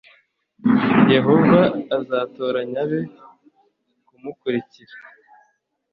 Yehova azatoranya abe kumukurikira